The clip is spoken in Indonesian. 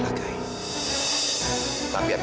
kamu harus berhenti